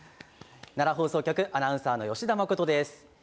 奈良放送局、アナウンサーの吉田真人です。